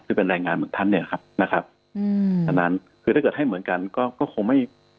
คือเป็นแรงงานเหมือนท่านนะครับดังนั้นคือถ้าเกิดให้เหมือนกันก็คงไม่